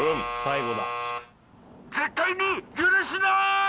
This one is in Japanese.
絶対に許すなー！